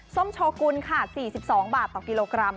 ส้มโชกุลค่ะ๔๒บาทต่อกิโลกรัม